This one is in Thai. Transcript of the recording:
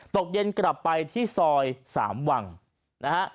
ตกเย็นกลับไปที่ซอยสามวังนะฮะ